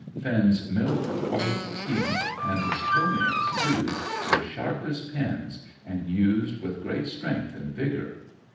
Finn's milk white teeth, and his toe nails, too, were sharp as pins, and used with great strength and vigour.